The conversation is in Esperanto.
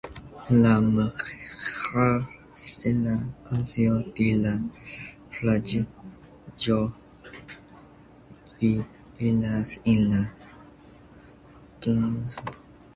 La mudeĥarstila absido de la preĝejo videblas en la blazono.